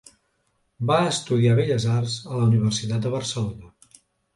Va estudiar belles arts a la Universitat de Barcelona.